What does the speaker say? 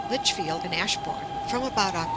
Lichfield and Ashbourn, from about Oct.